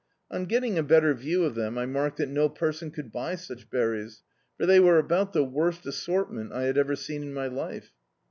On getting a better view of them, I remarked that no persoi could buy such berries, for they were about the worst assortment I had ever seen in my life.